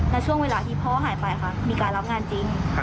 และช่วงเวลาที่พ่อหายไปค่ะมีการรับงานจริง